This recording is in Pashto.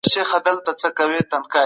ایا ټولنه دا بدلون مني؟